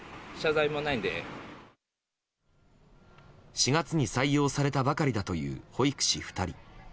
４月に採用されたばかりだという保育士２人。